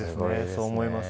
そう思います